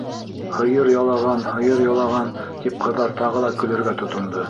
«Һыйыр ялаған», «Һыйыр ялаған» тип ҡыҙҙар тағы ла көлөргә тотондо.